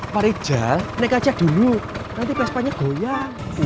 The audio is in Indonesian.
pak rijal naik aja dulu nanti pespanya goyang